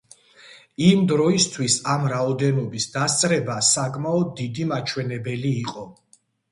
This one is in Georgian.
იმ დროისთვის ამ რაოდენობის დასწრება საკმაოდ დიდი მაჩვენებელი იყო.